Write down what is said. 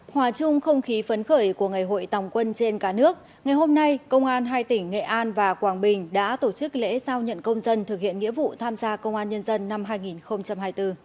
hòa chung không khí phấn khởi của ngày hội tòng quân trên cả nước ngày hôm nay công an hai tỉnh nghệ an và quảng bình đã tổ chức lễ giao nhận công dân thực hiện nghĩa vụ tham gia công an nhân dân năm hai nghìn hai mươi bốn